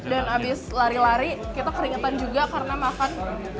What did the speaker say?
dan abis lari lari kita keringetan juga karena makan